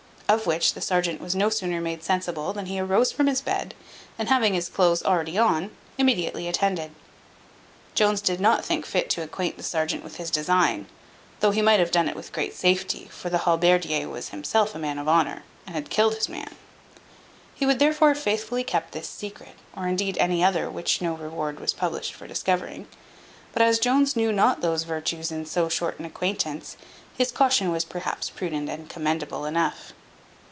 Of which the serjeant was no sooner made sensible, than he arose from his bed, and having his clothes already on, immediately attended. Jones did not think fit to acquaint the serjeant with his design; though he might have done it with great safety, for the halberdier was himself a man of honour, and had killed his man. He would therefore have faithfully kept this secret, or indeed any other which no reward was published for discovering. But as Jones knew not those virtues in so short an acquaintance, his caution was perhaps prudent and commendable enough.